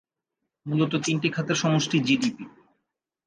মূলত তিনটি খাতের সমষ্টি জিডিপি।